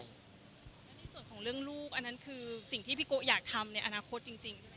แล้วในส่วนของเรื่องลูกอันนั้นคือสิ่งที่พี่โกะอยากทำในอนาคตจริงใช่ไหม